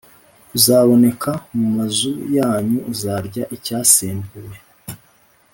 Kuzaboneka Mu Mazu Yanyu Uzarya Icyasembuwe